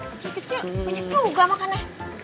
kecil kecil bunyi tuga makannya